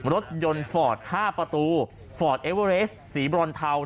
รถยนต์ฟอร์ด๕ประตูฟอร์ดเอเวอเรสสีบรอนเทา